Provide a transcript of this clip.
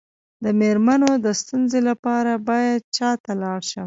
د میرمنو د ستونزو لپاره باید چا ته لاړ شم؟